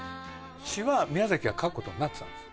詞は宮崎が書くことになってたんです。